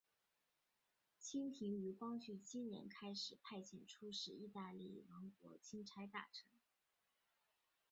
清廷于光绪七年开始派遣出使意大利王国钦差大臣。